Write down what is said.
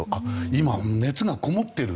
今、熱がこもっている。